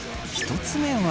１つ目は。